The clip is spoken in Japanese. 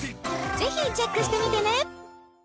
ぜひチェックしてみてね